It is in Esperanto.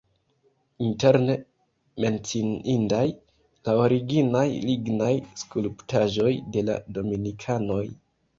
Interne menciindas la originaj lignaj skulptaĵoj de la dominikanoj.